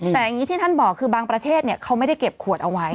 แต่อย่างนี้ที่ท่านบอกคือบางประเทศเขาไม่ได้เก็บขวดเอาไว้